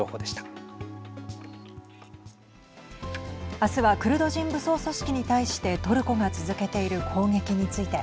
明日はクルド人武装組織に対してトルコが続けている攻撃について。